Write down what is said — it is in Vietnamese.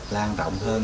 lan rộng hơn